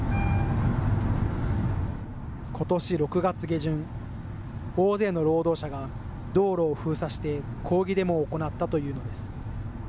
ことし６月下旬、大勢の労働者が道路を封鎖して、抗議デモを行ったというのです。